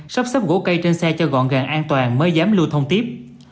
sắp xếp gỗ cây trên xe cho gọn gàng an toàn mới dám lưu thông tiếp